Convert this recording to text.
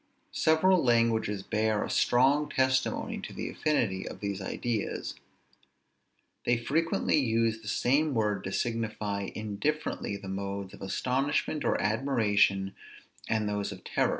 Several languages bear a strong testimony to the affinity of these ideas. They frequently use the same word to signify indifferently the modes of astonishment or admiration and those of terror.